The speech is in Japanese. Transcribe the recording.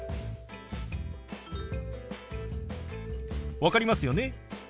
分かりますよね？